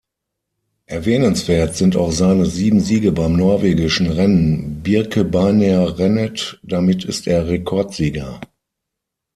Erwähnenswert sind auch seine sieben Siege beim norwegischen Rennen Birkebeinerrennet, damit ist er Rekordsieger.